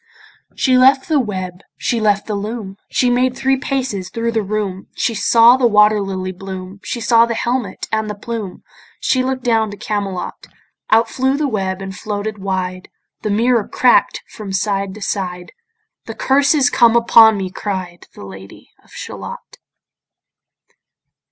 She left the web, she left the loom, She made three paces thro' the room, She saw the water lily bloom, She saw the helmet and the plume, She look'd down to Camelot. Out flew the web and floated wide; The mirror crack'd from side to side; "The curse is come upon me," cried The Lady of Shalott.